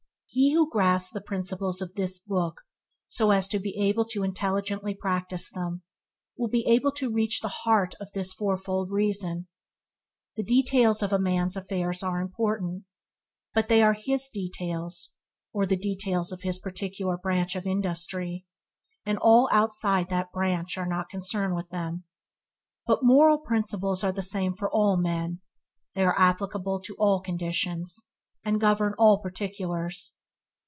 He who grasps the principles of this book so as to be able to intelligently practice them, will be able to reach the heart of this fourfold reason. The details of a man's affairs are important, but they are his details or the details of his particular branch of industry, and all outside that branch are not concerned with them, but moral principles are the same for all men; they are applicable to all conditions, and govern all particulars.